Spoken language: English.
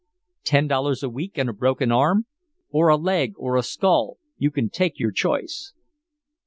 Ten dollars a week and a broken arm or a leg or a skull, you can take your choice.